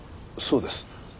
そうです。